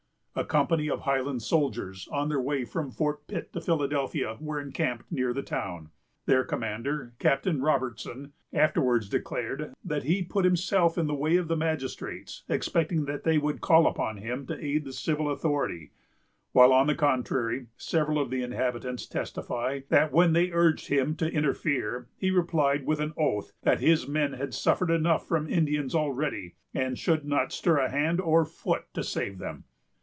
A company of Highland soldiers, on their way from Fort Pitt to Philadelphia, were encamped near the town. Their commander, Captain Robertson, afterwards declared that he put himself in the way of the magistrates, expecting that they would call upon him to aid the civil authority; while, on the contrary, several of the inhabitants testify, that, when they urged him to interfere, he replied with an oath that his men had suffered enough from Indians already, and should not stir hand or foot to save them.